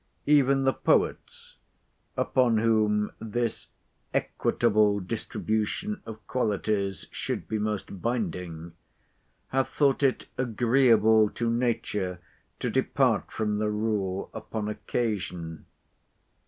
Even the poets—upon whom this equitable distribution of qualities should be most binding—have thought it agreeable to nature to depart from the rule upon occasion.